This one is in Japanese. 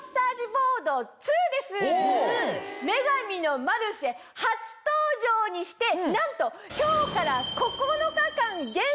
『女神のマルシェ』初登場にしてなんと今日から。